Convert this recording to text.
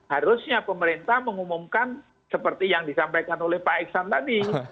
harusnya pemerintah mengumumkan seperti yang disampaikan oleh pak iksan tadi